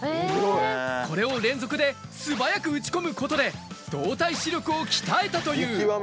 これを連続で素早く打ち込むことで動体視力を鍛えたという。